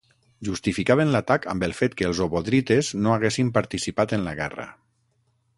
Justificaven l'atac amb el fet que els obodrites no haguessin participat en la guerra.